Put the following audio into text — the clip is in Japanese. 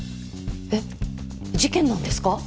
えっ？事件なんですか？